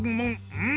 うん。